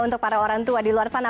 untuk para orang tua di luar sana